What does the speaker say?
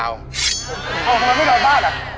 อ๋อแล้วมันไม่นอนบ้านล่ะ